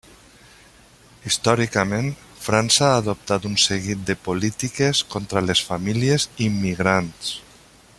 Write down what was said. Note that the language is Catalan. Històricament, França ha adoptat un seguit de polítiques contra les famílies immigrants.